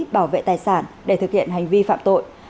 bảo vệ tài sản để thực hiện hành vi phạm tội